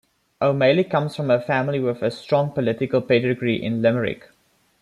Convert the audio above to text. O'Malley comes from a family with a strong political pedigree in Limerick.